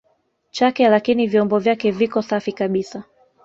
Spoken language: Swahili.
chake lakini vyombo vyake viko safi kabisa